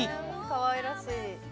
かわいらしい。